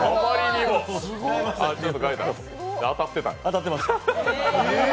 当たってました。